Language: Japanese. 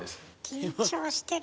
緊張してる。